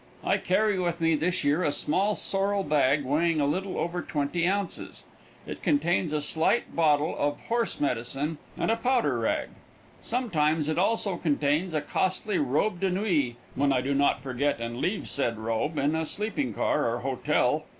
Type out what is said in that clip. I carry with me, this year, a small, sorrel bag, weighing a little over twenty ounces. It contains a slight bottle of horse medicine and a powder rag. Sometimes it also contains a costly robe de nuit, when I do not forget and leave said robe in a sleeping car or hotel.